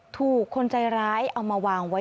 ถูกคนใจร้ายเอามาวางไว้